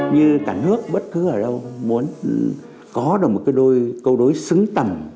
như cả nước bất cứ ở đâu muốn có được một câu đối xứng tầm